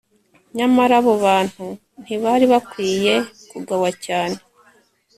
nyamara abo bantu ntibari bakwiye kugawa cyane